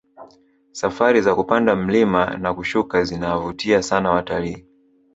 safari za kupanda mlima na kushuka zinavutia sana watalii